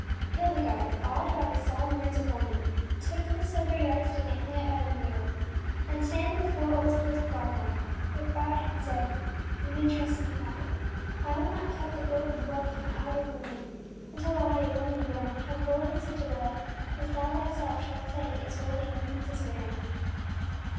ŌĆÖ Hildegarde, awed by his solemn words of warn ing, took the silver yard stick and hung it by the mirror, and standing be fore old Hildgardmar with bowed head, said, ttllfabetgf ŌĆśYou may trust me, fa ther; I will not cut the golden warp from out the loom until I, a woman grown, have woven such a web as thou thyself shalt say is worthy of a princeŌĆÖs wearing.